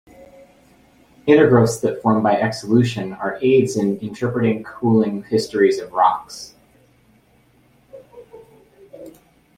Intergrowths that form by exsolution are aids in interpreting cooling histories of rocks.